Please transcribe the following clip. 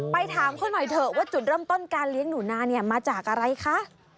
ถามเขาหน่อยเถอะว่าจุดเริ่มต้นการเลี้ยงหนูนาเนี่ยมาจากอะไรคะ